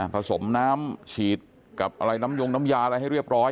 ผสมน้ำฉีดกับอะไรน้ำยงน้ำยาอะไรให้เรียบร้อย